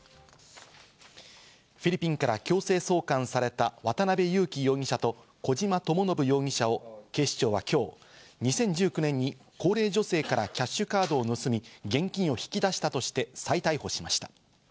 フィリピンから強制送還された渡辺優樹容疑者と小島智信容疑者を警視庁は今日、２０１９年に高齢女性からキャッシュカードを盗み、現金を引き出したとして再逮捕しました。